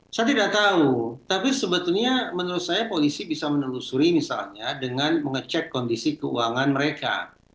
saya tidak tahu tapi sebetulnya menurut saya polisi bisa menelusuri misalnya dengan mengecek kondisi keuangan mereka